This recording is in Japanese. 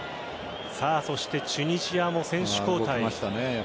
そしてチュニジアも選手交代。